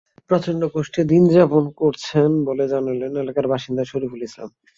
প্রচণ্ড কষ্টে দিন যাপন করছেন বলে জানালেন এলাকার বাসিন্দা শরিফুল ইসলাম।